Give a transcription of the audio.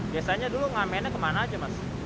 biasanya dulu ngamennya kemana aja mas